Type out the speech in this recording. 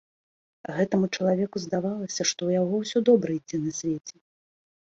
Гэтаму чалавеку здавалася, што ў яго ўсё добра ідзе на свеце.